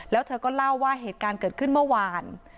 แล้วเธอก็เล่าว่าเหตุการณ์เกิดขึ้นเมื่อวาน